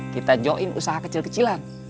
kita join usaha kecil kecilan